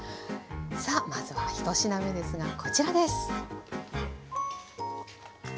さあまずは１品目ですがこちらです。